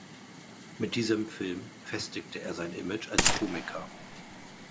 Mit diesem Film festigte er sein Image als Komiker.